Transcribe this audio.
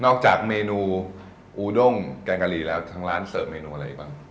จากเมนูอูด้งแกงกะหรี่แล้วทางร้านเสิร์ฟเมนูอะไรบ้าง